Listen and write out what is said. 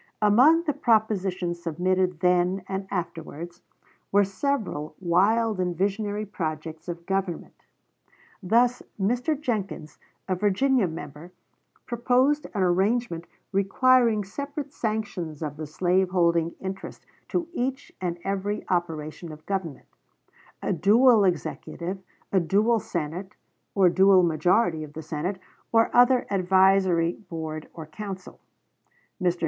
p. 78. Among the propositions submitted then and afterwards were several wild and visionary projects of government. Thus Mr. Jenkins, a Virginia member, proposed an arrangement requiring separate sanction of the slave holding interest to each and every operation of government; a dual executive; a dual senate, or dual majority of the senate, or other advisory body or council. Mr.